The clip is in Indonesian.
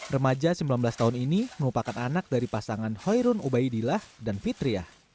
remaja sembilan belas tahun ini merupakan anak dari pasangan hoyrun ubaidillah dan fitriah